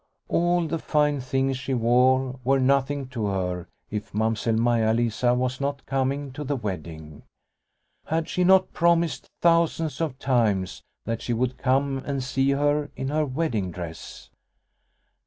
All the fine things she wore were nothing to her if Mamsell Maia Lisa was not coming to the wedding ! Had she not promised thousands of times that she would come and see her in her wedding dress